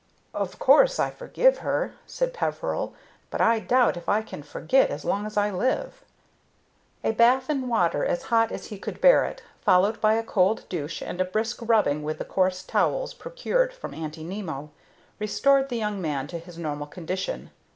"Of course I forgive her," said Peveril; "but I doubt if I can forget as long as I live." A bath in water as hot as he could bear it, followed by a cold douche and a brisk rubbing with the coarse towels procured from Aunty Nimmo, restored the young man to his normal condition.